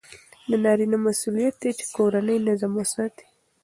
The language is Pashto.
د نارینه مسئولیت دی چې کورنی نظم وساتي.